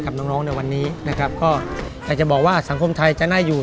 น้องน้องในวันนี้นะครับก็อยากจะบอกว่าสังคมไทยจะน่าอยู่